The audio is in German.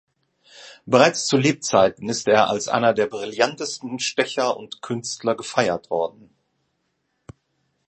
Bereits zu Lebzeiten ist er als einer der brillantesten Stecher und Künstler gefeiert worden.